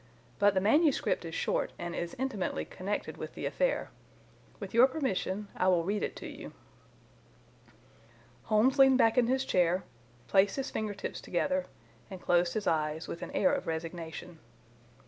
But the manuscript is short and is intimately connected with the affair. With your permission I will read it to you." Holmes leaned back in his chair, placed his finger tips together, and closed his eyes, with an air of resignation. Dr.